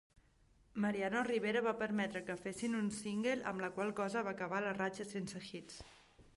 Mariano Rivera va permetre que fessin un "single", amb la qual cosa va acabar la ratxa sense "hits".